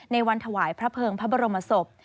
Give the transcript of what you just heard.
วันถวายพระเภิงพระบรมศพ